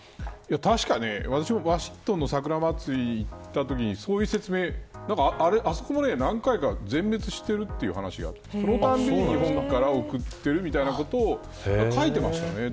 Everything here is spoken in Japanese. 確か私もワシントンの桜祭り行ったときにそういう説明あそこも何回か全滅してるという話があってそのたびに日本から送っているということを書いてましたね。